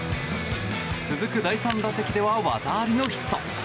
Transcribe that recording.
続く第３打席では技ありのヒット。